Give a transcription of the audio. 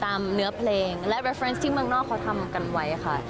ตามเนื้อเพลงและสำบัดที่เมืองนอกเขาทำกันไว้ค่ะ